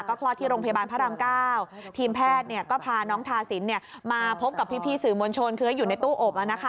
คลอดที่โรงพยาบาลพระราม๙ทีมแพทย์ก็พาน้องทาสินมาพบกับพี่สื่อมวลชนคืออยู่ในตู้อบ